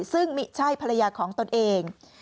ซึ่งไม่ใช่ภรรยาของตนเอง